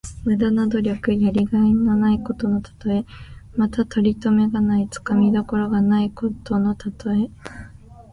無駄な努力。やりがいのないことのたとえ。また、とりとめがない、つかみどころがないことのたとえ。